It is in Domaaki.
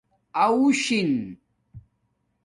آݸشنگ